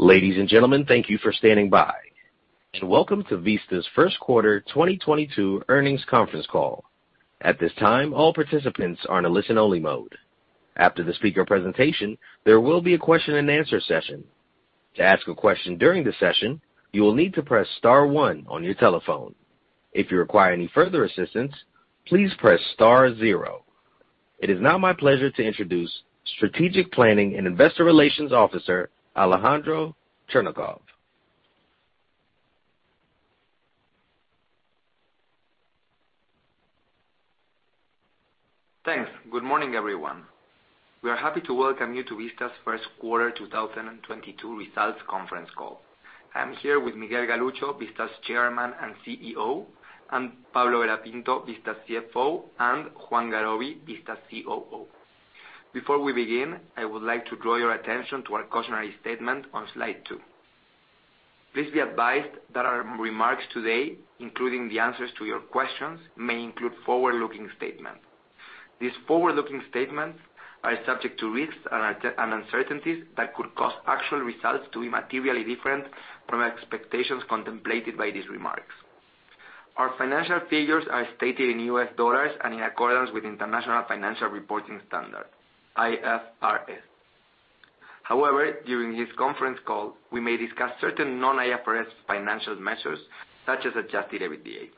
Ladies and gentlemen, thank you for standing by. Welcome to Vista's first quarter 2022 Earnings Conference Call. At this time, all participants are in a listen only mode. After the speaker presentation, there will be a question and answer session. To ask a question during the session, you will need to press star one on your telephone. If you require any further assistance, please press star zero. It is now my pleasure to introduce Strategic Planning and Investor Relations Officer, Alejandro Chernikov. Thanks. Good morning, everyone. We are happy to welcome you to Vista's first quarter 2022 Results Conference Call. I am here with Miguel Galuccio, Vista's Chairman and CEO, and Pablo Vera Pinto, Vista's CFO, and Juan Garoby, Vista's COO. Before we begin, I would like to draw your attention to our cautionary statement on slide two. Please be advised that our remarks today, including the answers to your questions, may include forward-looking statements. These forward-looking statements are subject to risks and uncertainties that could cause actual results to be materially different from expectations contemplated by these remarks. Our financial figures are stated in US dollars and in accordance with International Financial Reporting Standards, IFRS. However, during this conference call, we may discuss certain non-IFRS financial measures, such as adjusted EBITDA.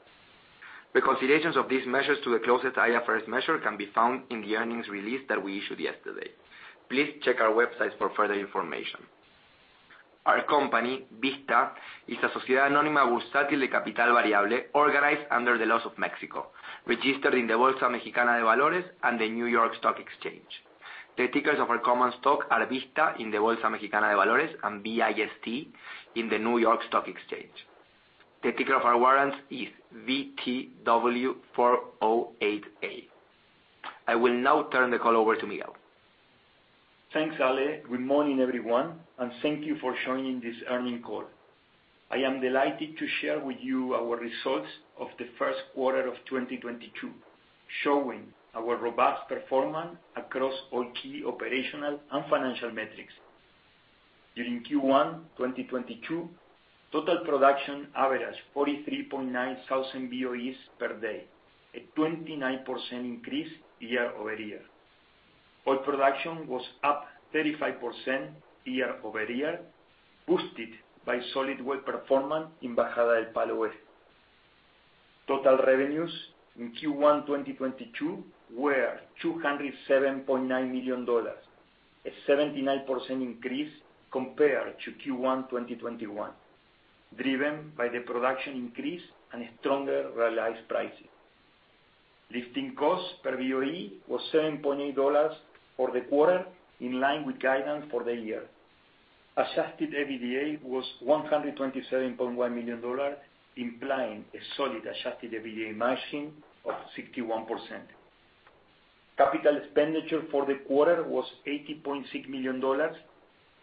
Reconsiderations of these measures to the closest IFRS measure can be found in the earnings release that we issued yesterday. Please check our websites for further information. Our company, Vista, is a sociedad anónima bursátil de capital variable organized under the laws of Mexico, registered in the Bolsa Mexicana de Valores and the New York Stock Exchange. The tickers of our common stock are Vista in the Bolsa Mexicana de Valores and VIST in the New York Stock Exchange. The ticker of our warrants is VTW408A. I will now turn the call over to Miguel. Thanks, Ale. Good morning, everyone, and thank you for joining this earnings call. I am delighted to share with you our results of the first quarter of 2022, showing our robust performance across all key operational and financial metrics. During Q1 2022, total production averaged 43,900 BOEs per day, a 29% increase year-over-year. Oil production was up 35% year-over-year, boosted by solid well performance in Bajada del Palo Este. Total revenues in Q1 2022 were $207.9 million, a 79% increase compared to Q1 2021, driven by the production increase and stronger realized pricing. Lifting costs per BOE was $7.8 for the quarter, in line with guidance for the year. Adjusted EBITDA was $127.1 million, implying a solid adjusted EBITDA margin of 61%. Capital expenditure for the quarter was $80.6 million,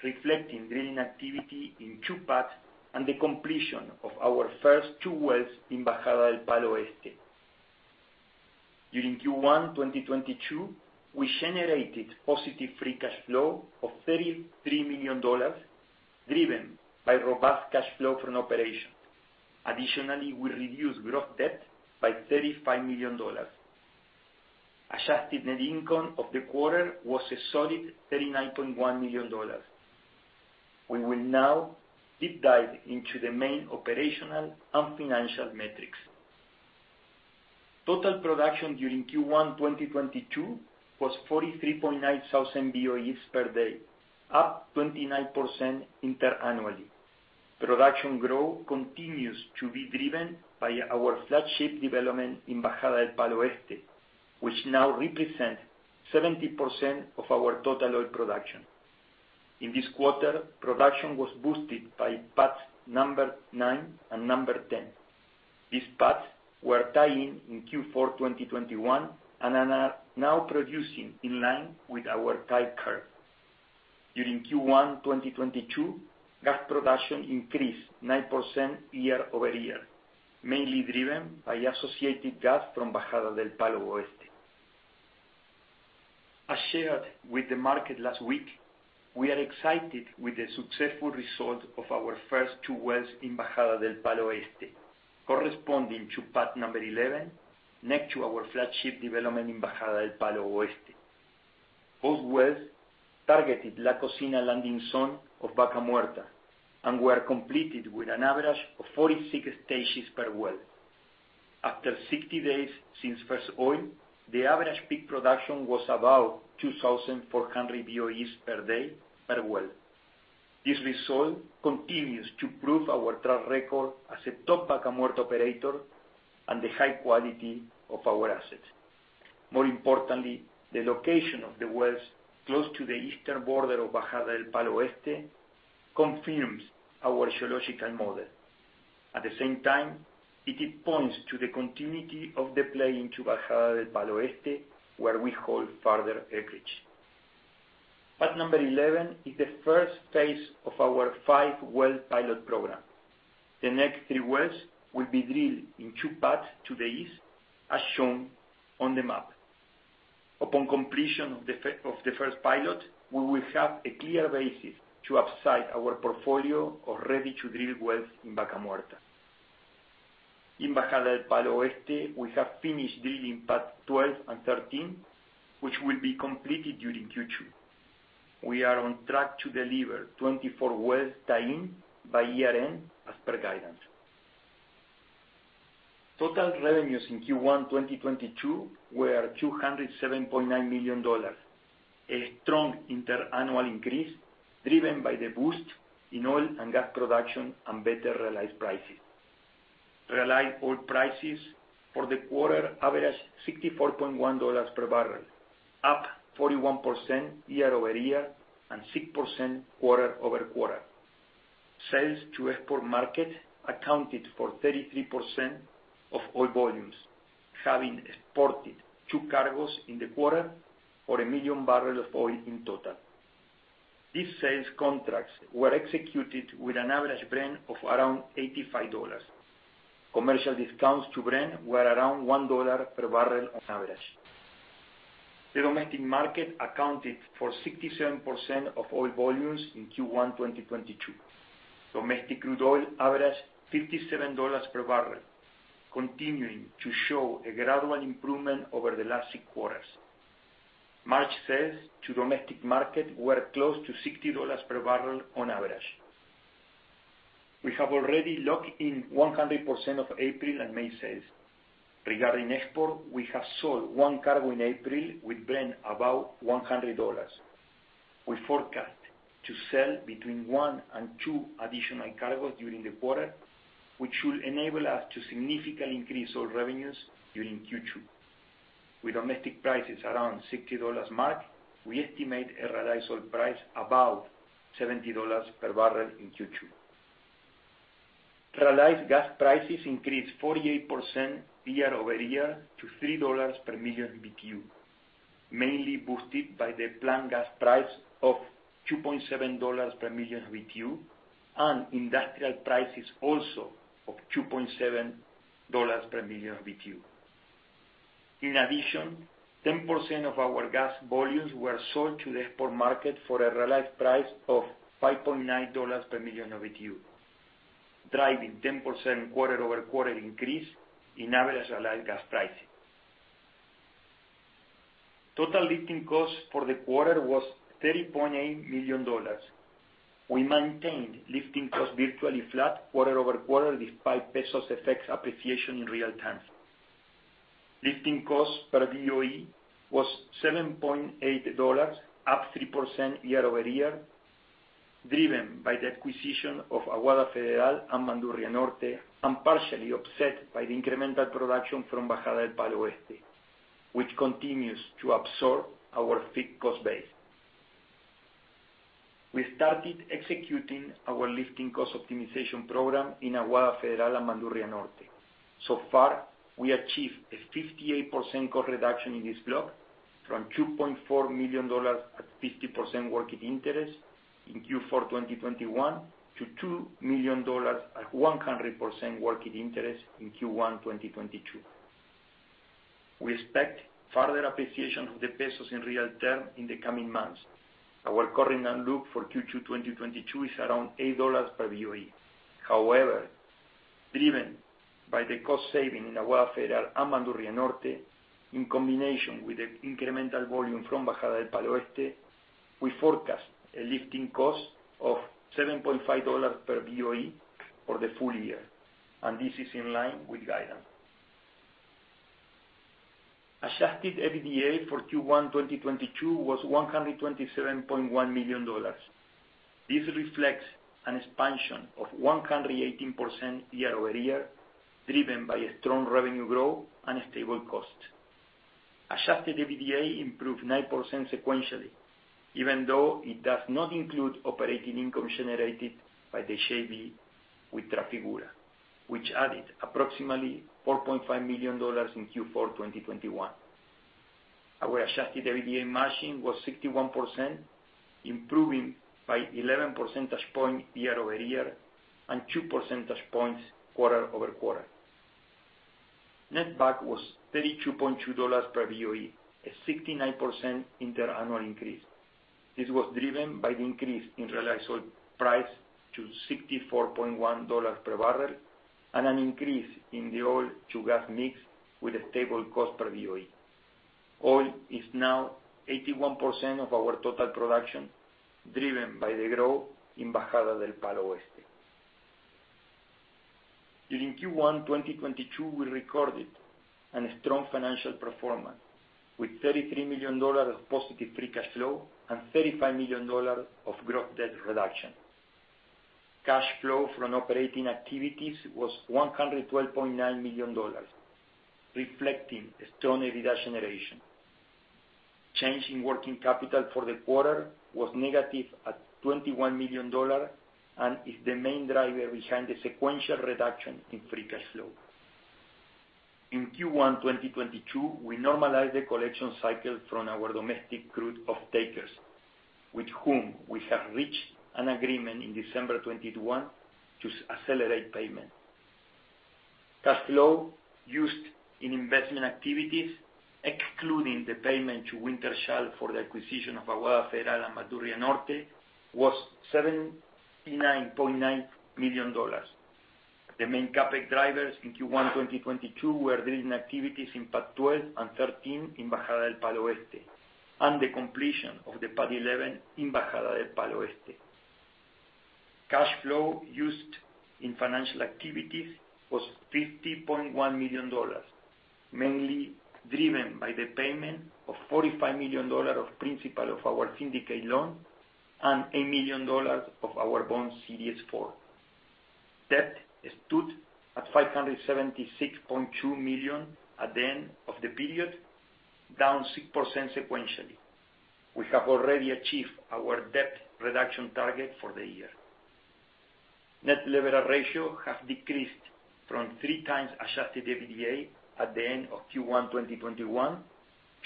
reflecting drilling activity in two pads and the completion of our first two wells in Bajada del Palo Este. During Q1 2022, we generated positive free cash flow of $33 million driven by robust cash flow from operations. Additionally, we reduced gross debt by $35 million. Adjusted net income of the quarter was a solid $39.1 million. We will now deep dive into the main operational and financial metrics. Total production during Q1 2022 was 43,900 BOEs per day, up 29% interannually. Production growth continues to be driven by our flagship development in Bajada del Palo Este, which now represents 70% of our total oil production. In this quarter, production was boosted by pads nine and 10. These pads were tied in in Q4 2021, and are now producing in line with our type curve. During Q1 2022, gas production increased 9% year-over-year, mainly driven by associated gas from Bajada del Palo Oeste. As shared with the market last week, we are excited with the successful results of our first two wells in Bajada del Palo Este, corresponding to pad 11 next to our flagship development in Bajada del Palo Este. Both wells targeted La Cocina landing zone of Vaca Muerta and were completed with an average of 46 stages per well. After 60 days since first oil, the average peak production was about 2,400 BOEs per day per well. This result continues to prove our track record as a top Vaca Muerta operator and the high quality of our assets. More importantly, the location of the wells close to the eastern border of Bajada del Palo Este confirms our geological model. At the same time, it points to the continuity of the play into Bajada del Palo Este, where we hold further acreage. Pad number 11 is the first phase of our five-well pilot program. The next three wells will be drilled in two pads to the east, as shown on the map. Upon completion of the first pilot, we will have a clear basis to upside our portfolio of ready to drill wells in Vaca Muerta. In Bajada del Palo Este, we have finished drilling pad 12 and 13, which will be completed during Q2. We are on track to deliver 24 wells tie-in by year-end as per guidance. Total revenues in Q1 2022 were $207.9 million. A strong inter-annual increase driven by the boost in oil and gas production and better realized pricing. Realized oil prices for the quarter averaged $64.1 per barrel, up 41% year-over-year and 6% quarter-over-quarter. Sales to export market accounted for 33% of oil volumes, having exported two cargos in the quarter for 1 million barrels of oil in total. These sales contracts were executed with an average Brent of around $85. Commercial discounts to Brent were around $1 per barrel on average. The domestic market accounted for 67% of oil volumes in Q1 2022. Domestic crude oil averaged $57 per barrel, continuing to show a gradual improvement over the last six quarters. March sales to domestic market were close to $60 per barrel on average. We have already locked in 100% of April and May sales. Regarding export, we have sold one cargo in April with Brent above $100. We forecast to sell between one and two additional cargos during the quarter, which will enable us to significantly increase our revenues during Q2. With domestic prices around $60 mark, we estimate a realized oil price above $70 per barrel in Q2. Realized gas prices increased 48% year-over-year to $3 per million BTU, mainly boosted by the plant gas price of $2.7 per million BTU and industrial prices also of $2.7 per million BTU. In addition, 10% of our gas volumes were sold to the export market for a realized price of $5.9 per million BTU, driving 10% quarter-over-quarter increase in average realized gas pricing. Total lifting costs for the quarter was $30.8 million. We maintained lifting costs virtually flat quarter-over-quarter, despite the peso's appreciation in real terms. Lifting costs per BOE was $7.8, up 3% year-over-year, driven by the acquisition of Aguada Federal and Bandurria Norte, and partially offset by the incremental production from Bajada del Palo Este, which continues to absorb our fixed cost base. We started executing our lifting cost optimization program in Aguada Federal and Bandurria Norte. So far, we achieved a 58% cost reduction in this block from $2.4 million at 50% working interest in Q4 2021 to $2 million at 100% working interest in Q1 2022. We expect further appreciation of the pesos in real terms in the coming months. Our current outlook for Q2 2022 is around $8 per BOE. However, driven by the cost saving in Aguada Federal and Bandurria Norte, in combination with the incremental volume from Bajada del Palo Este, we forecast a lifting cost of $7.5 per BOE for the full year, and this is in line with guidance. Adjusted EBITDA for Q1 2022 was $127.1 million. This reflects an expansion of 118% year-over-year, driven by a strong revenue growth and a stable cost. Adjusted EBITDA improved 9% sequentially, even though it does not include operating income generated by the JV with Trafigura, which added approximately $4.5 million in Q4 2021. Our adjusted EBITDA margin was 61%, improving by 11 percentage points year-over-year and two percentage points quarter-over-quarter. Netback was $32.2 per BOE, a 69% inter-annual increase. This was driven by the increase in realized oil price to $64.1 per barrel and an increase in the oil to gas mix with a stable cost per BOE. Oil is now 81% of our total production, driven by the growth in Bajada del Palo Este. During Q1 2022, we recorded a strong financial performance with $33 million of positive free cash flow and $35 million of gross debt reduction. Cash flow from operating activities was $112.9 million, reflecting a strong EBITDA generation. Change in working capital for the quarter was negative at $21 million and is the main driver behind the sequential reduction in free cash flow. In Q1 2022, we normalized the collection cycle from our domestic crude off-takers, with whom we have reached an agreement in December 2021 to accelerate payment. Cash flow used in investment activities, excluding the payment to Wintershall for the acquisition of Aguada Federal and Bandurria Norte, was $79.9 million. The main CapEx drivers in Q1 2022 were drilling activities in Pad 12 and 13 in Bajada del Palo Este, and the completion of the Pad 11 in Bajada del Palo Este. Cash flow used in financial activities was $50.1 million, mainly driven by the payment of $45 million of principal of our syndicated loan and $8 million of our bonds Series 4. Debt stood at $576.2 million at the end of the period, down 6% sequentially. We have already achieved our debt reduction target for the year. Net leverage ratio has decreased from 3 times adjusted EBITDA at the end of Q1 2021,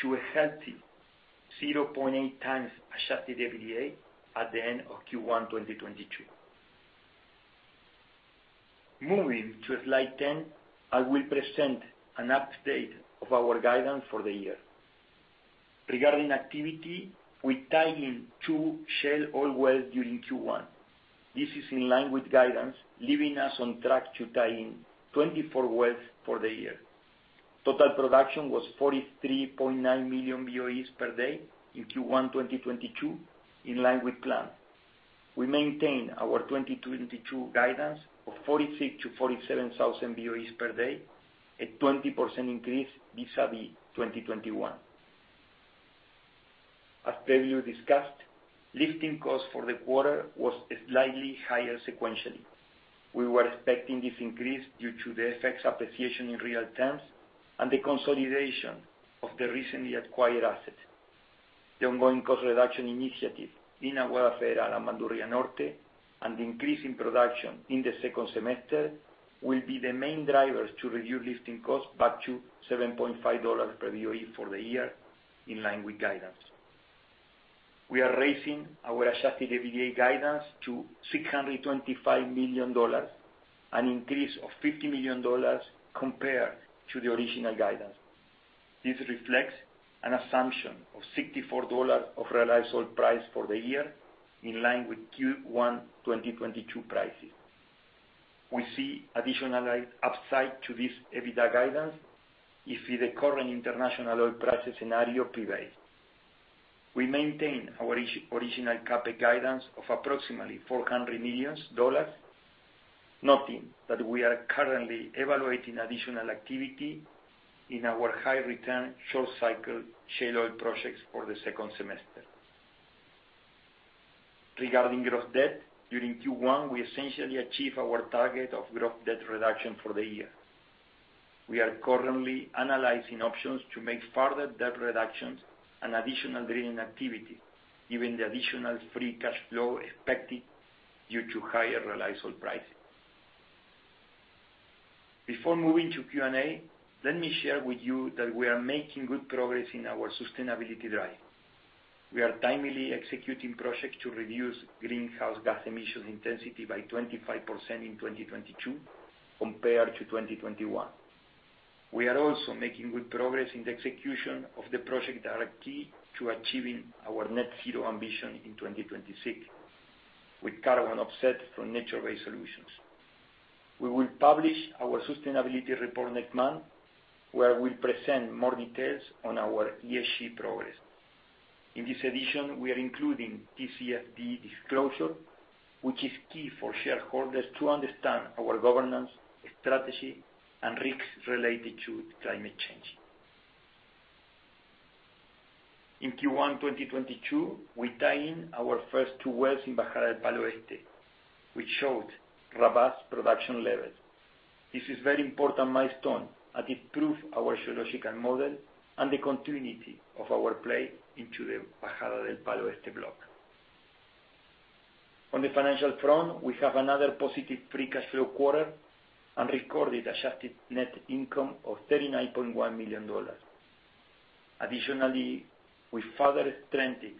to a healthy 0.8x adjusted EBITDA at the end of Q1 2022. Moving to slide 10, I will present an update of our guidance for the year. Regarding activity, we tied in two shale oil wells during Q1. This is in line with guidance, leaving us on track to tie in 24 wells for the year. Total production was 43.9 million BOEs per day in Q1 2022, in line with plan. We maintain our 2022 guidance of 46-47 thousand BOEs per day, a 20% increase vis-a-vis 2021. As previously discussed, lifting costs for the quarter was slightly higher sequentially. We were expecting this increase due to the FX appreciation in real terms and the consolidation of the recently acquired assets. The ongoing cost reduction initiative in Aguada Federal and Bandurria Norte, and increase in production in the second semester will be the main drivers to reduce lifting costs back to $7.5 per BOE for the year, in line with guidance. We are raising our adjusted EBITDA guidance to $625 million, an increase of $50 million compared to the original guidance. This reflects an assumption of $64 of realized oil price for the year, in line with Q1 2022 prices. We see additional upside to this EBITDA guidance if the current international oil price scenario prevails. We maintain our original CapEx guidance of approximately $400 million, noting that we are currently evaluating additional activity in our high return short cycle shale oil projects for the second semester. Regarding gross debt, during Q1, we essentially achieved our target of gross debt reduction for the year. We are currently analyzing options to make further debt reductions and additional drilling activity, given the additional free cash flow expected due to higher realized oil prices. Before moving to Q&A, let me share with you that we are making good progress in our sustainability drive. We are timely executing projects to reduce greenhouse gas emission intensity by 25% in 2022 compared to 2021. We are also making good progress in the execution of the project directly to achieving our net zero ambition in 2026, with carbon offset from nature-based solutions. We will publish our sustainability report next month, where we present more details on our ESG progress. In this edition, we are including TCFD disclosure, which is key for shareholders to understand our governance, strategy, and risks related to climate change. In Q1 2022, we tied in our first two wells in Bajada del Palo Este, which showed robust production levels. This is a very important milestone, as it proves our geological model and the continuity of our play into the Bajada del Palo Este block. On the financial front, we have another positive free cash flow quarter and recorded adjusted net income of $39.1 million. Additionally, we further strengthened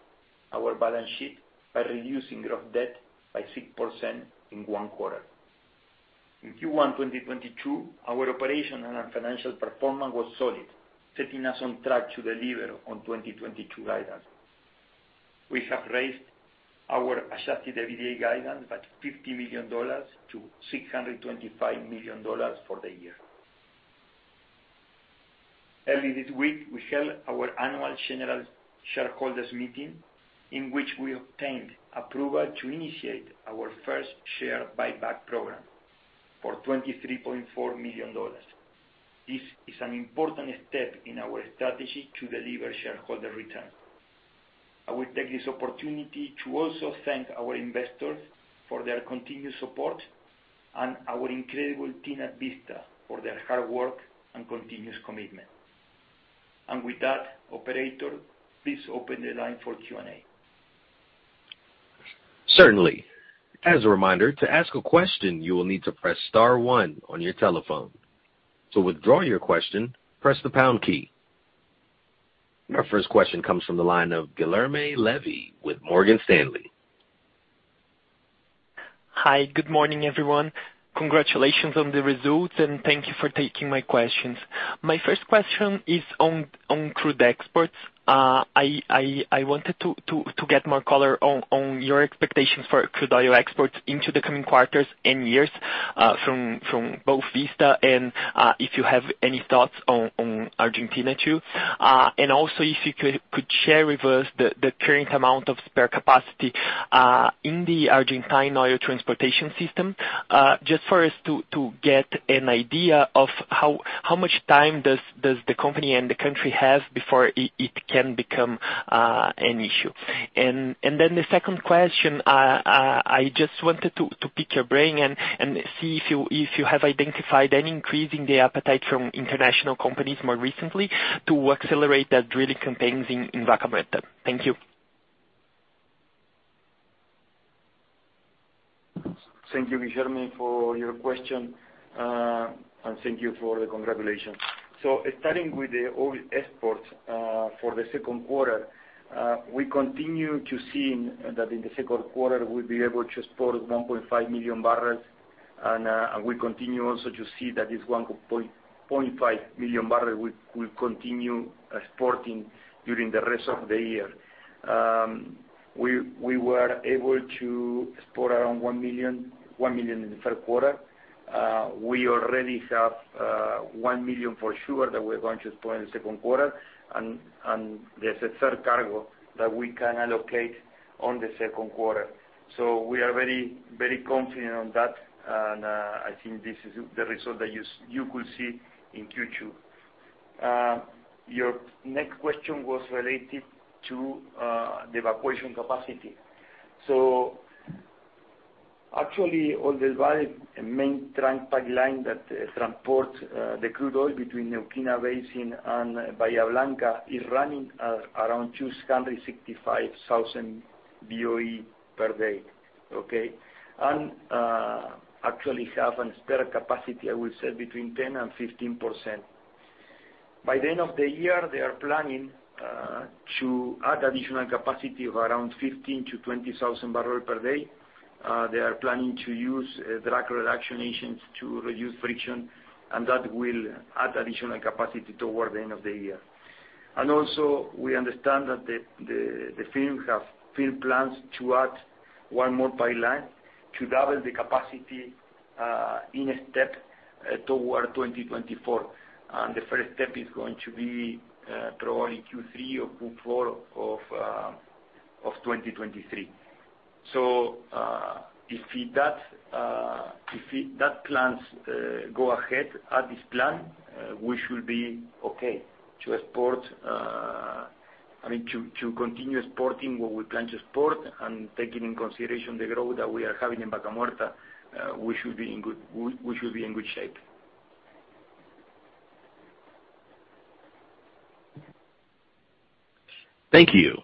our balance sheet by reducing gross debt by 6% in one quarter. In Q1 2022, our operational and financial performance was solid, setting us on track to deliver on 2022 guidance. We have raised our adjusted EBITDA guidance by $50 million to $625 million for the year. Early this week, we held our annual general shareholders meeting, in which we obtained approval to initiate our first share buyback program for $23.4 million. This is an important step in our strategy to deliver shareholder returns. I will take this opportunity to also thank our investors for their continued support and our incredible team at Vista Energy for their hard work and continuous commitment. With that, operator, please open the line for Q&A. Certainly. As a reminder, to ask a question, you will need to press star one on your telephone. To withdraw your question, press the pound key. Our first question comes from the line of Guilherme Levy with Morgan Stanley. Hi. Good morning, everyone. Congratulations on the results, and thank you for taking my questions. My first question is on crude exports. I wanted to get more color on your expectations for crude oil exports into the coming quarters and years, from both Vista and if you have any thoughts on Argentina too. If you could share with us the current amount of spare capacity in the Argentine oil transportation system, just for us to get an idea of how much time does the company and the country have before it can become an issue? Then the second question, I just wanted to pick your brain and see if you have identified any increase in the appetite from international companies more recently to accelerate the drilling campaigns in Vaca Muerta? Thank you. Thank you, Guilherme, for your question, and thank you for the congratulations. Starting with the oil exports, for the second quarter, we continue to see that in the second quarter we'll be able to export 1.5 million barrels, and we continue also to see that this 1.5 million barrels we continue exporting during the rest of the year. We were able to export around 1 million in the third quarter. We already have 1 million for sure that we're going to export in the second quarter and there's a third cargo that we can allocate on the second quarter. We are very confident on that. I think this is the result that you could see in Q2. Your next question was related to the evacuation capacity. Actually, all the main trunk pipeline that transports the crude oil between the Neuquén Basin and Bahía Blanca is running around 265,000 BOE per day. Okay. Actually have a spare capacity, I would say between 10%-15%. By the end of the year, they are planning to add additional capacity of around 15,000-20,000 barrels per day. They are planning to use drag reducing agents to reduce friction, and that will add additional capacity toward the end of the year. We understand that the firms have firm plans to add one more pipeline to double the capacity in a step toward 2024. The first step is going to be probably Q3 or Q4 of 2023. If that plan goes ahead as is planned, we should be okay to export, I mean, to continue exporting what we plan to export and taking into consideration the growth that we are having in Vaca Muerta, we should be in good shape. Thank you.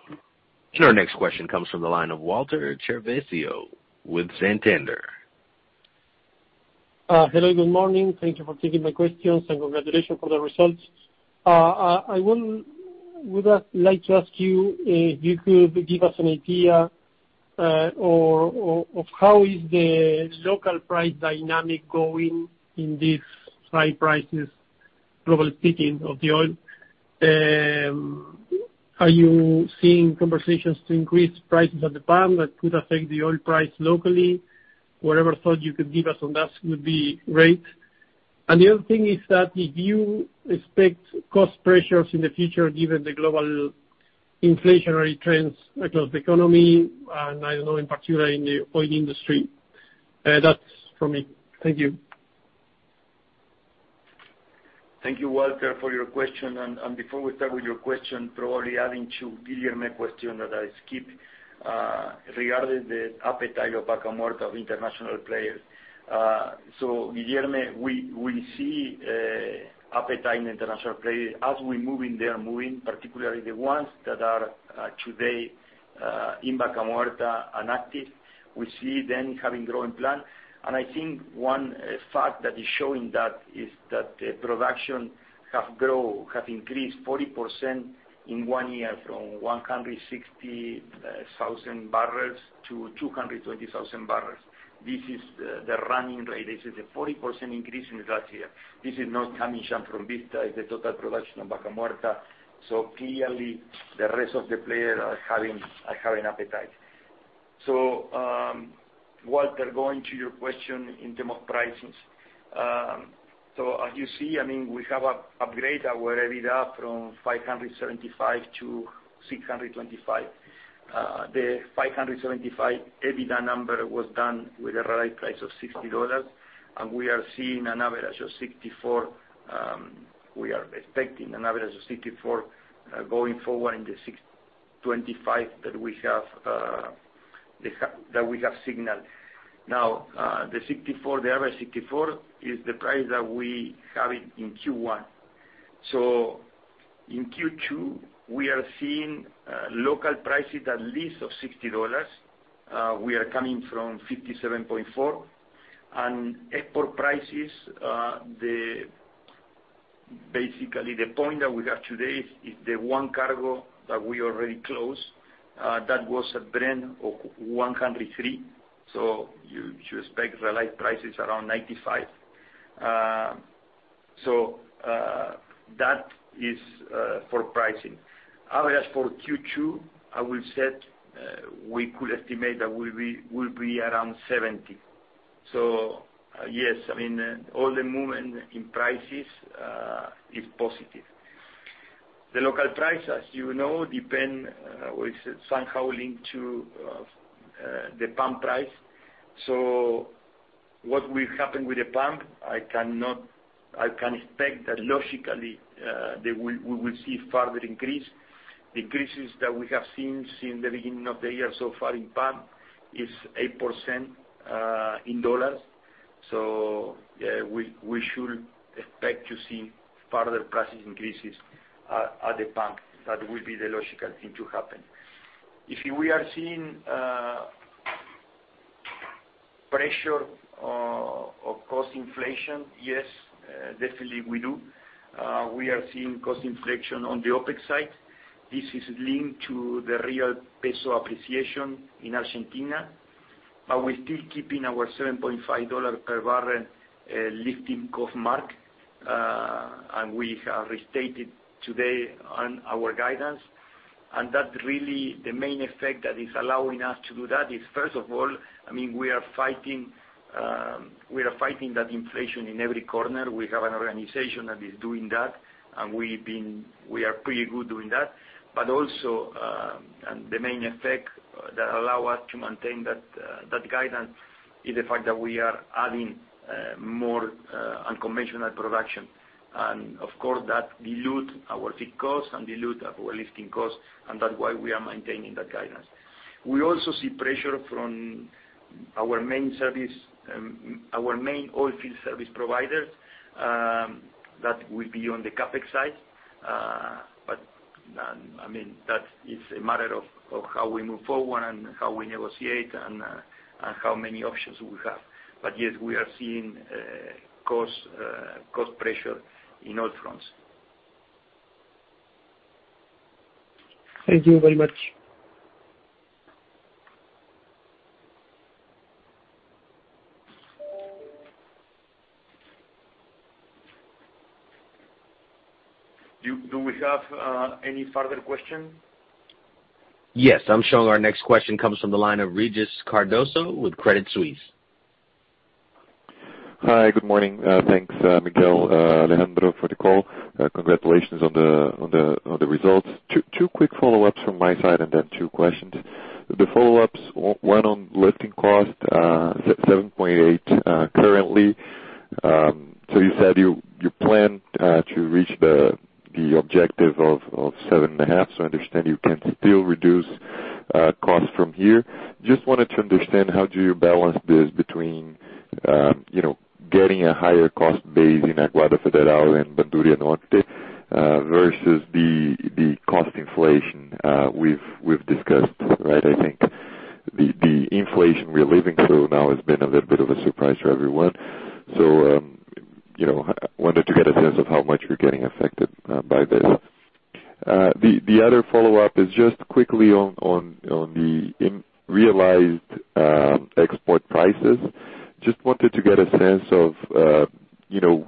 Our next question comes from the line of Walter Chiarvesio with Santander. Hello, good morning. Thank you for taking my questions and congratulations for the results. Would like to ask you if you could give us an idea, or of how is the local price dynamic going in these high prices, global speaking, of the oil. Are you seeing conversations to increase prices at the pump that could affect the oil price locally? Whatever thought you could give us on that would be great. The other thing is that if you expect cost pressures in the future given the global inflationary trends across the economy, and I don't know in particular in the oil industry? That's from me. Thank you. Thank you, Walter, for your question. Before we start with your question, probably adding to Guilherme's question that I skipped, regarding the appetite for Vaca Muerta of international players. Guilherme, we see appetite in international players. As we move in, they are moving, particularly the ones that are today in Vaca Muerta and active. We see them having growing plan. I think one fact that is showing that is that the production have increased 40% in one year from 160,000 barrels to 220,000 barrels. This is the running rate. This is a 40% increase in the last year. This is not coming just from Vista. It's the total production of Vaca Muerta. Clearly the rest of the players are having appetite. Walter, going to your question in terms of pricing. As you see, I mean, we have upgraded our EBITDA from $575 to $625. The $575 EBITDA number was done with a realized price of $60, and we are seeing an average of $64. We are expecting an average of $64 going forward in the $625 that we have signaled. The $64, the average $64, is the price that we have in Q1. In Q2, we are seeing local prices at least of $60. We are coming from $57.4. Export prices, basically, the point that we have today is the one cargo that we already closed, that was a Brent of $103. You expect realized prices around $95. That is for pricing. As for Q2, I will say we could estimate that we will be around $70. Yes, I mean, all the movement in prices is positive. The local price, as you know, depends or is somehow linked to the pump price. What will happen with the pump? I can expect that logically we will see further increase. Increases that we have seen since the beginning of the year so far in pump is 8% in dollars. We should expect to see further prices increases at the pump. That will be the logical thing to happen. If we are seeing pressure of cost inflation? Yes, definitely we do. We are seeing cost inflation on the OpEx side. This is linked to the real peso appreciation in Argentina. We're still keeping our $7.5 per barrel lifting cost mark, and we have restated today on our guidance. That really the main effect that is allowing us to do that is, first of all, I mean, we are fighting that inflation in every corner. We have an organization that is doing that, and we've been pretty good doing that. The main effect that allow us to maintain that guidance is the fact that we are adding more unconventional production. Of course, that dilute our fixed costs and dilute our lifting costs, and that's why we are maintaining that guidance. We also see pressure from our main service, our main oilfield service provider, that will be on the CapEx side. I mean, that is a matter of how we move forward and how we negotiate and how many options we have. Yes, we are seeing cost pressure in all fronts. Thank you very much. Do we have any further question? Yes. Our next question comes from the line of Regis Cardoso with Credit Suisse. Hi, good morning. Thanks, Miguel, Alejandro for the call. Congratulations on the results. Two quick follow-ups from my side and then two questions. The follow-ups, one on lifting costs, $7.8 currently. You said you plan to reach the objective of $7.5, so I understand you can still reduce costs from here. Just wanted to understand how do you balance this between, you know, getting a higher cost base in Aguada Federal and Bandurria Norte, versus the cost inflation we've discussed, right? I think the inflation we're living through now has been a little bit of a surprise for everyone. You know, wanted to get a sense of how much you're getting affected by this. The other follow-up is just quickly on the implied realized export prices. Just wanted to get a sense of, you know,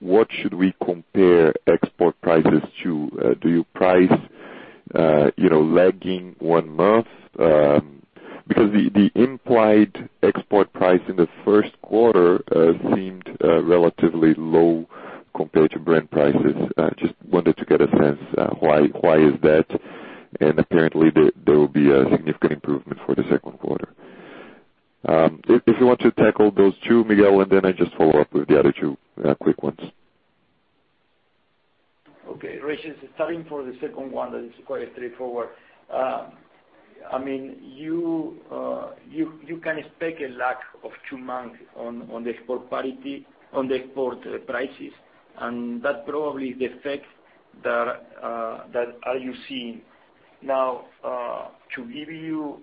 what should we compare export prices to? Do you price, you know, lagging one month? Because the implied export price in the first quarter seemed relatively low compared to Brent prices. Just wanted to get a sense why is that? Apparently there will be a significant improvement for the second quarter. If you want to tackle those two, Miguel, and then I just follow up with the other two quick ones. Okay. Regis, starting for the second one, that is quite straightforward. I mean, you can expect a lag of two months on the export parity, on the export prices, and that probably is the effect that you are seeing. Now, to give you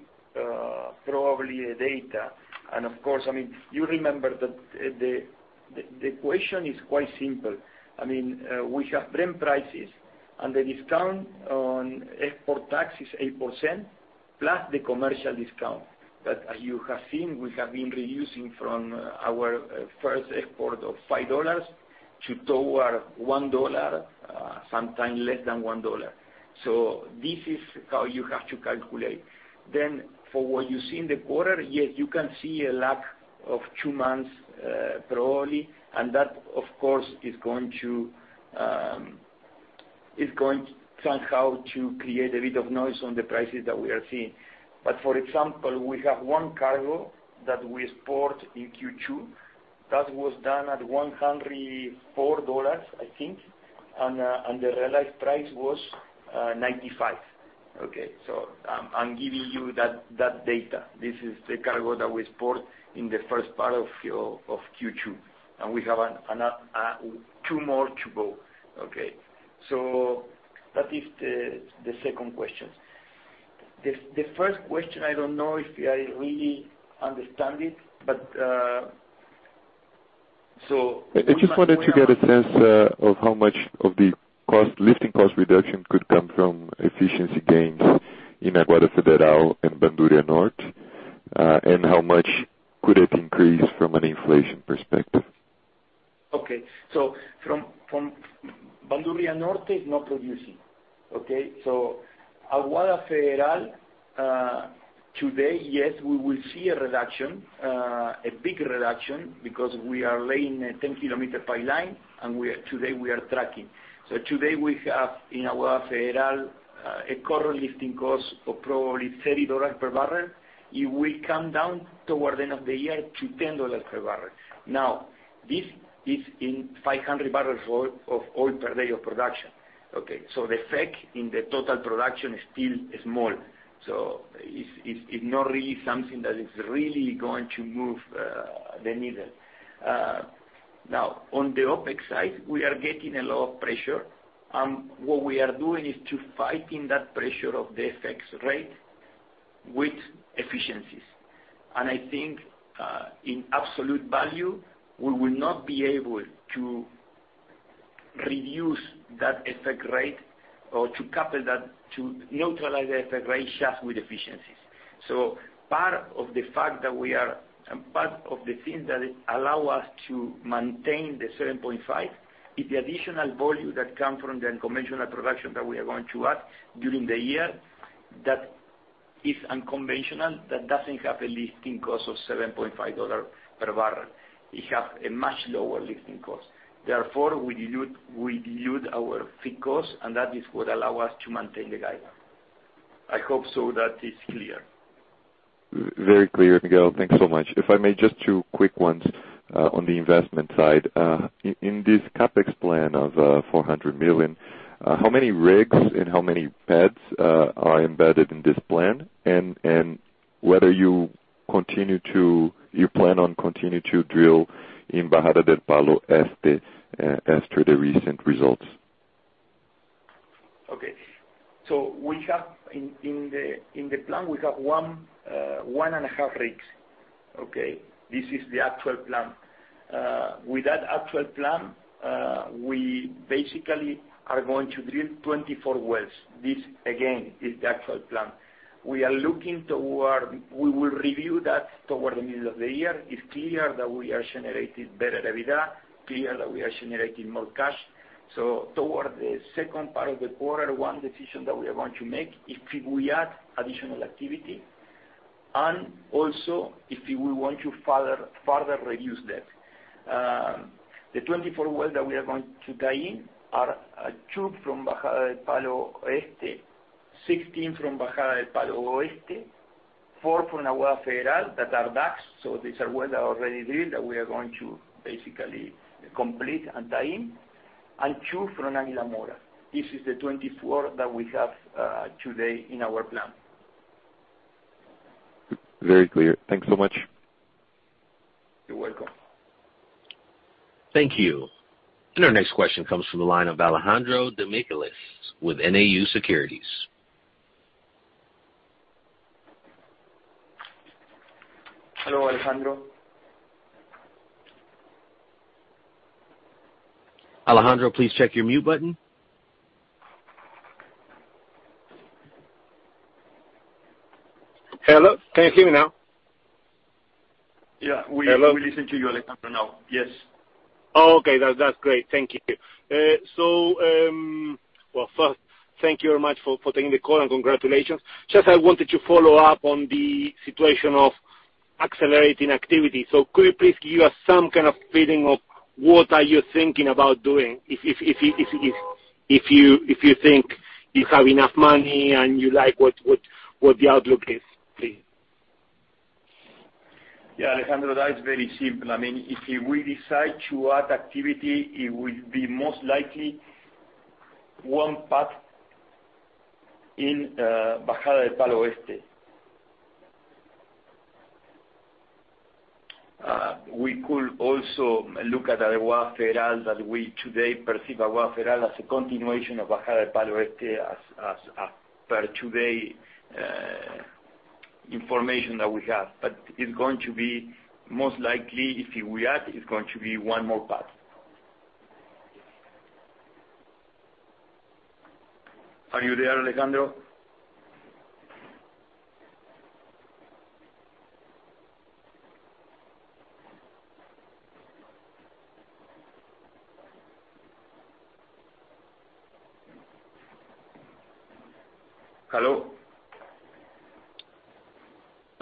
probably some data and of course, I mean, you remember that the equation is quite simple. I mean, we have Brent prices and the discount on export tax is 8%, plus the commercial discount. But as you have seen, we have been reducing from our first export of $5 to towards $1, sometimes less than $1. So this is how you have to calculate. For what you see in the quarter, yes, you can see a lag of two months, probably. That, of course, is going to somehow create a bit of noise on the prices that we are seeing. For example, we have one cargo that we export in Q2 that was done at $104, I think, and the realized price was $95. Okay? I'm giving you that data. This is the cargo that we export in the first part of Q2, and we have two more to go. Okay. That is the second question. The first question, I don't know if I really understand it, but so- I just wanted to get a sense of how much of the lifting cost reduction could come from efficiency gains in Aguada Federal and Bandurria Norte, and how much could it increase from an inflation perspective? From Bandurria Norte is not producing. Okay? Aguada Federal today, yes, we will see a reduction, a big reduction because we are laying a 10-kilometer pipeline, and today we are tracking. Today we have in Aguada Federal a current lifting cost of probably $30 per barrel. It will come down toward the end of the year to $10 per barrel. Now, this is in 500 barrels of oil per day of production. The effect in the total production is still small. It's not really something that is really going to move the needle. Now on the OpEx side, we are getting a lot of pressure. What we are doing is to fight that pressure of the FX rate with efficiencies. I think, in absolute value, we will not be able to reduce that FX rate or to counter that to neutralize the FX rate just with efficiencies. Part of the things that allow us to maintain the 7.5 is the additional volume that comes from the unconventional production that we are going to add during the year. That is unconventional. That doesn't have a lifting cost of $7.5 per barrel. It has a much lower lifting cost. Therefore, we reduce our lifting cost, and that is what allows us to maintain the guidance. I hope that is clear. Very clear, Miguel. Thanks so much. If I may, just two quick ones on the investment side. In this CapEx plan of $400 million, how many rigs and how many pads are embedded in this plan? Whether you plan to continue to drill in Bajada del Palo Este as to the recent results? Okay. We have 1.5 rigs in the plan. Okay? This is the actual plan. With that actual plan, we basically are going to drill 24 wells. This again is the actual plan. We will review that toward the middle of the year. It is clear that we are generating better EBITDA, clear that we are generating more cash. Toward the second part of the quarter, one decision that we are going to make, if we add additional activity and also if we want to further reduce debt. The 24 wells that we are going to tie-in are two from Bajada del Palo Este, 16 from Bajada del Palo Oeste, four from Aguada Federal that are DUCs. These are wells that are already drilled that we are going to basically complete and tie in. Two from Águila Mora. This is the 24 that we have today in our plan. Very clear. Thanks so much. You're welcome. Thank you. Our next question comes from the line of Alejandro Demichelis with Nau Securities. Hello, Alejandro. Alejandro, please check your mute button. Hello, can you hear me now? Yeah. Hello. We listen to you, Alejandro, now. Yes. Oh, okay. That's great. Thank you. Well, first, thank you very much for taking the call and congratulations. I wanted to follow up on the situation of accelerating activity. Could you please give us some kind of feeling of what you are thinking about doing if you think you have enough money and you like what the outlook is, please? Yeah, Alejandro, that is very simple. I mean, if we decide to add activity, it will be most likely one pad in Bajada del Palo Este. We could also look at Aguada Federal that we today perceive Aguada Federal as a continuation of Bajada del Palo Este as per today information that we have. But it's going to be most likely, if we add, it's going to be one more pad. Are you there, Alejandro? Hello?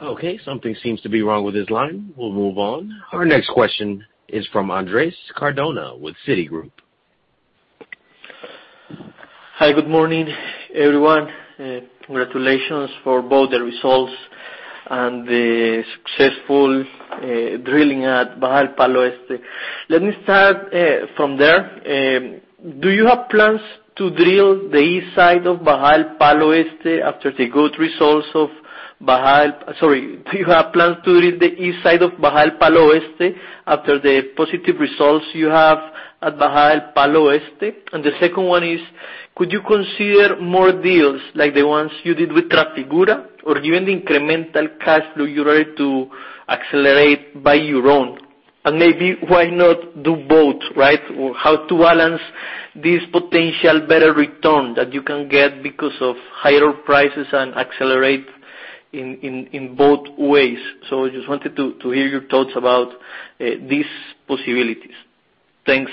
Okay. Something seems to be wrong with his line. We'll move on. Our next question is from Andres Cardona with Citigroup. Hi, good morning, everyone. Congratulations for both the results and the successful drilling at Bajada del Palo Este. Let me start from there. Do you have plans to drill the east side of Bajada del Palo Este after the positive results you have at Bajada del Palo Este? The second one is, could you consider more deals like the ones you did with Trafigura or given the incremental cash flow you're ready to accelerate by your own? Maybe why not do both, right? Or how to balance this potential better return that you can get because of higher prices and accelerate in both ways. I just wanted to hear your thoughts about these possibilities. Thanks.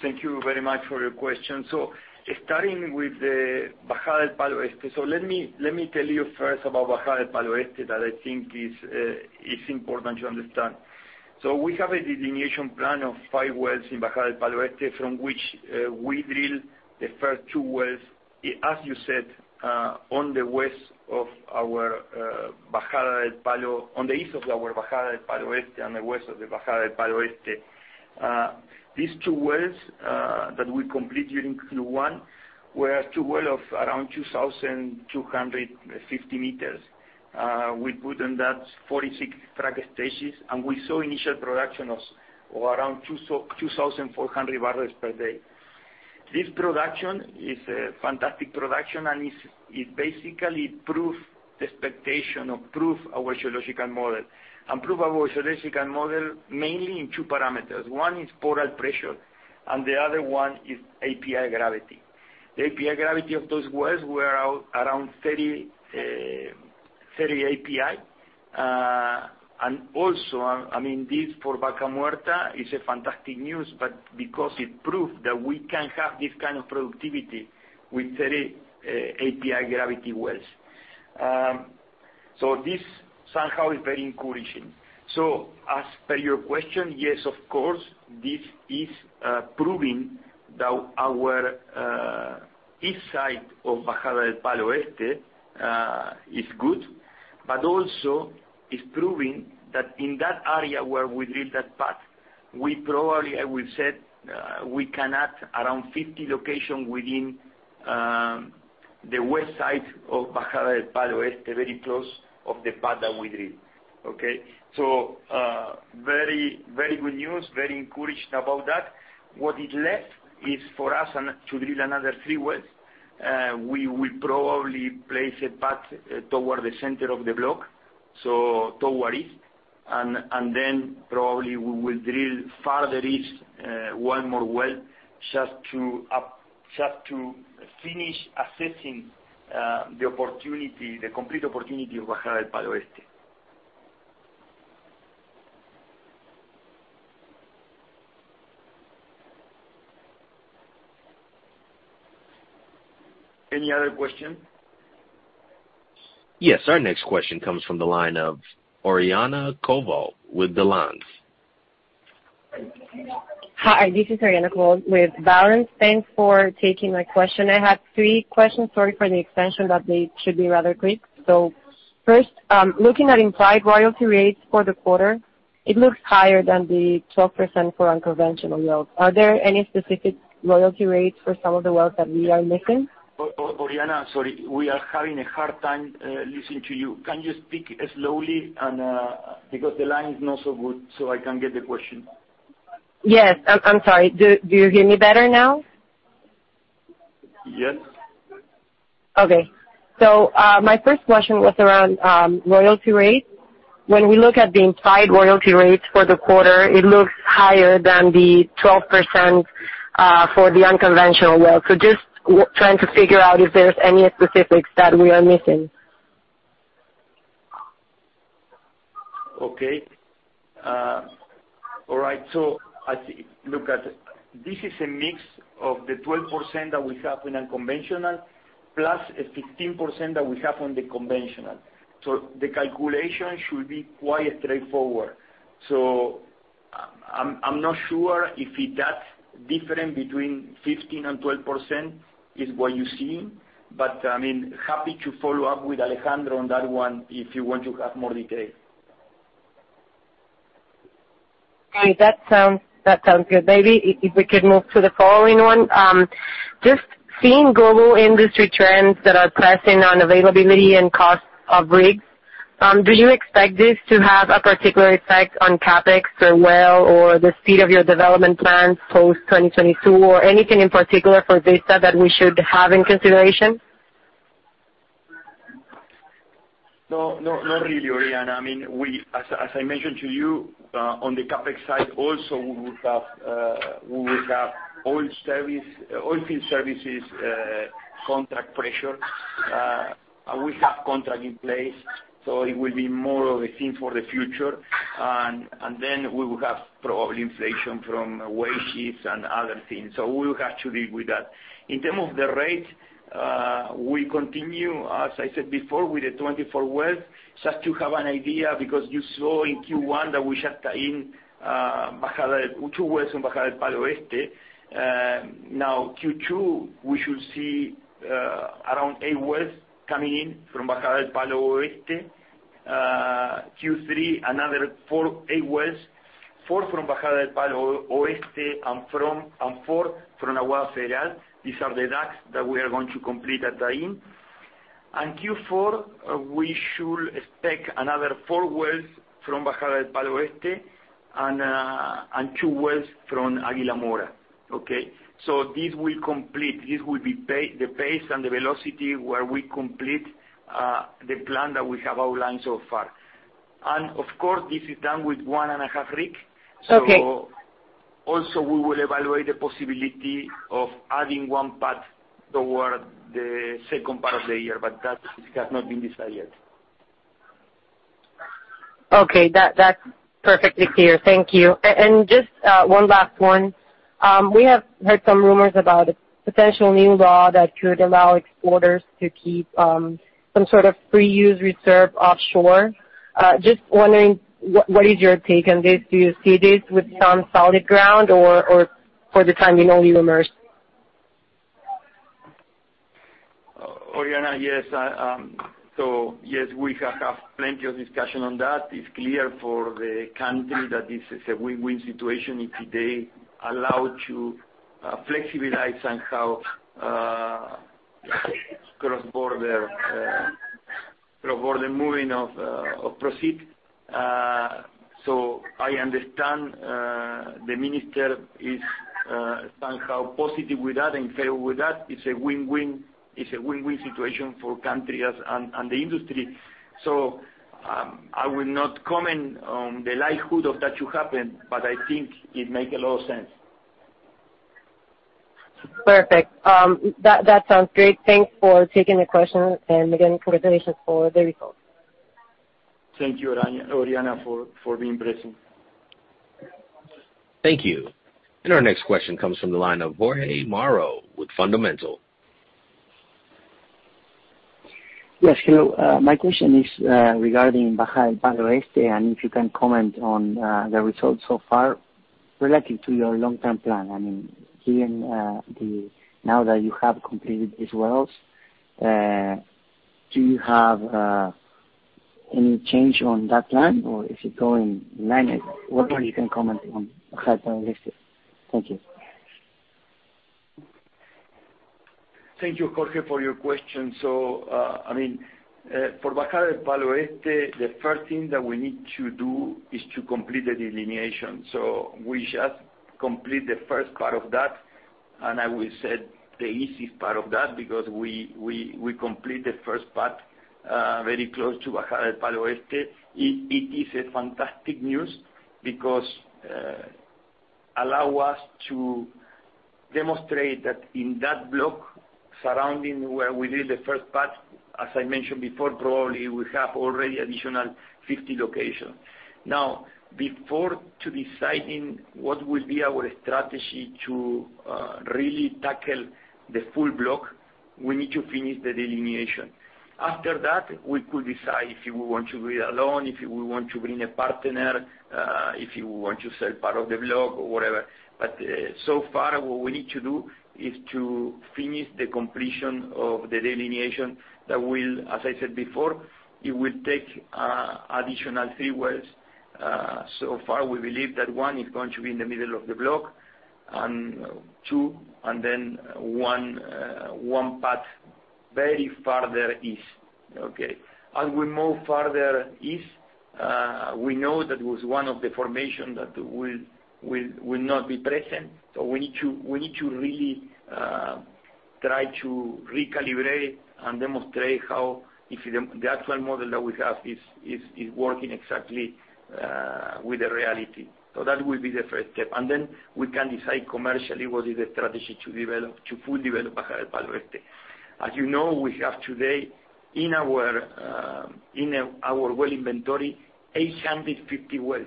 Thank you very much for your question. Starting with the Bajada del Palo Este. Let me tell you first about Bajada del Palo Este that I think is important to understand. We have a delineation plan of five wells in Bajada del Palo Este from which we drill the first two wells, as you said, on the east of our Bajada del Palo Este and the west of the Bajada del Palo Este. These two wells that we completed in Q1 were two well of around 2,250 meters. We put in that 46 frac stages, and we saw initial production of around 2,400 barrels per day. This production is a fantastic production, and it basically proved expectation or proved our geological model. Proved our geological model mainly in two parameters. One is pore pressure, and the other one is API gravity. The API gravity of those wells were around 30 API. And also, I mean, this for Vaca Muerta is a fantastic news, but because it proved that we can have this kind of productivity with 30 API gravity wells. This somehow is very encouraging. As per your question, yes, of course, this is proving that our east side of Bajada del Palo Este is good, but also is proving that in that area where we drill that pad, we probably, I will say, we can add around 50 locations within the west side of Bajada del Palo Este, very close to the pad that we drill. Okay? Very, very good news, very encouraged about that. What is left is for us to drill another three wells. We will probably place a pad toward the center of the block, toward east. Then probably we will drill farther east, one more well just to finish assessing the opportunity, the complete opportunity of Bajada del Palo Este. Any other question? Yes, our next question comes from the line of Oriana Covault with Balanz. Hi, this is Oriana Covault with Balanz. Thanks for taking my question. I have three questions. Sorry for the extension, but they should be rather quick. First, looking at implied royalty rates for the quarter, it looks higher than the 12% for unconventional wells. Are there any specific royalty rates for some of the wells that we are missing? Oriana, sorry, we are having a hard time listening to you. Can you speak slowly because the line is not so good, so I can get the question. Yes. I'm sorry. Do you hear me better now? Yes. Okay. My first question was around royalty rates. When we look at the implied royalty rates for the quarter, it looks higher than the 12% for the unconventional well. Just trying to figure out if there's any specifics that we are missing. Okay. All right. I see. This is a mix of the 12% that we have in unconventional plus a 15% that we have on the conventional. The calculation should be quite straightforward. I'm not sure if it's that different between 15% and 12% is what you're seeing. I mean, happy to follow up with Alejandro on that one if you want to have more details. Great. That sounds good. Maybe if we could move to the following one. Just seeing global industry trends that are pressing on availability and cost of rigs, do you expect this to have a particular effect on CapEx or well or the speed of your development plans post-2022 or anything in particular for Vista that we should have in consideration? No, no, not really, Oriana. I mean, as I mentioned to you, on the CapEx side also, we would have oil field services contract pressure. We have contract in place, so it will be more of a thing for the future. Then we will have probably inflation from wage sheets and other things. We will have to live with that. In terms of the rate, we continue, as I said before, with the 24 wells, just to have an idea, because you saw in Q1 that we shut in two wells in Bajada del Palo Este. Now Q2, we should see around eight wells coming in from Bajada del Palo Este. Q3, another four, eight wells. Four from Bajada del Palo Oeste and four from Aguada Federal. These are the DUCs that we are going to complete at Tahin. Q4, we should expect another four wells from Bajada del Palo Oeste and two wells from Águila Mora. Okay? This will complete, this will be the pace and the velocity where we complete the plan that we have outlined so far. Of course, this is done with one and a half rig. Okay. Also we will evaluate the possibility of adding one pad toward the second part of the year, but that has not been decided. Okay. That's perfectly clear. Thank you. Just one last one. We have heard some rumors about a potential new law that could allow exporters to keep some sort of free use reserve offshore. Just wondering, what is your take on this? Do you see this with some solid ground or for the time being only rumors? Oriana, yes. Yes, we have plenty of discussion on that. It's clear for the country that this is a win-win situation if they allow to flexibilize somehow cross-border moving of proceeds. I understand the minister is somehow positive with that and fair with that. It's a win-win situation for the country and the industry. I will not comment on the likelihood of that to happen, but I think it makes a lot of sense. Perfect. That sounds great. Thanks for taking the question. Again, congratulations for the results. Thank you, Oriana, for being present. Thank you. Our next question comes from the line of Jorge Mauro with Fundamenta. Yes. Hello. My question is regarding Bajada del Palo Este, and if you can comment on the results so far relative to your long-term plan. I mean, given now that you have completed these wells, do you have any change on that plan, or is it going as planned? Whatever you can comment on Bajada del Este. Thank you. Thank you, Jorge, for your question. I mean, for Bajada del Palo Este, the first thing that we need to do is to complete the delineation. We just complete the first part of that, and I will say the easiest part of that because we complete the first part very close to Bajada del Palo Este. It is a fantastic news because allow us to demonstrate that in that block surrounding where we did the first part, as I mentioned before, probably we have already additional 50 locations. Now, before to deciding what will be our strategy to really tackle the full block, we need to finish the delineation. After that, we could decide if we want to do it alone, if we want to bring a partner, if we want to sell part of the block or whatever. So far what we need to do is to finish the completion of the delineation that will, as I said before, it will take additional three wells. So far, we believe that one is going to be in the middle of the block and two and then one pad very farther east. Okay. As we move farther east, we know that was one of the formation that will not be present. We need to really try to recalibrate and demonstrate how if the actual model that we have is working exactly with the reality. That will be the first step. Then we can decide commercially what is the strategy to develop, to fully develop Bajada del Palo Este. As you know, we have today in our well inventory, 850 wells.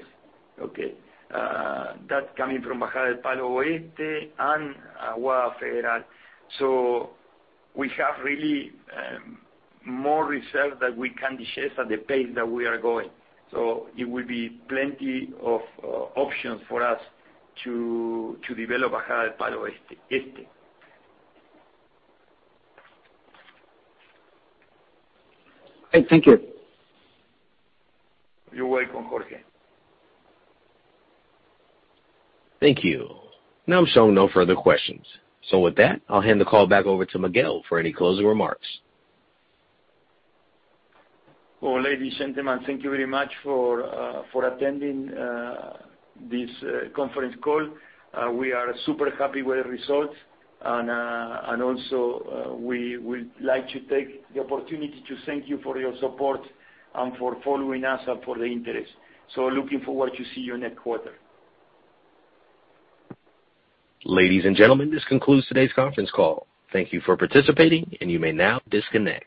Okay. That's coming from Bajada del Palo Este and Aguada Federal. We have really more reserves that we can discuss at the pace that we are going. It will be plenty of options for us to develop Bajada del Palo Este. Great. Thank you. You're welcome, Jorge. Thank you. I'm showing no further questions. With that, I'll hand the call back over to Miguel for any closing remarks. Well, ladies and gentlemen, thank you very much for attending this conference call. We are super happy with the results and also we would like to take the opportunity to thank you for your support and for following us and for the interest. Looking forward to see you next quarter. Ladies and gentlemen, this concludes today's conference call. Thank you for participating, and you may now disconnect.